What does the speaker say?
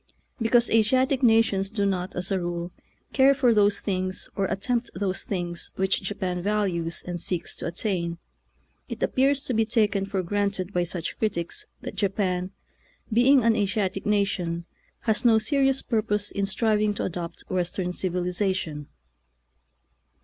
Because Asiatic nations do not, as a rule, care for those things or attempt those things which Japan values and seeks to attain, it appears to be taken for granted by such critics that Japan, being an Asiatic nation, has no serious purpose in striving to adopt Western civilization.